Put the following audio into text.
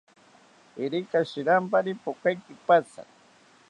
Irika shirampari pokae kipatzi